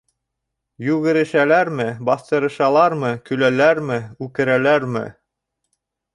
Йүгерешәләрме, баҫтырышалармы, көләләрме, үкерәләрме.